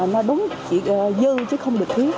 nó đúng chỉ dư chứ không được thiết